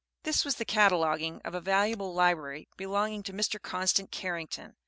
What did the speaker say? This was the cataloguing of a valuable library belonging to Mr. Constant Carrington.